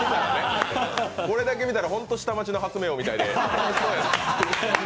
これだけ見たら本当に下町の発明王みたいで。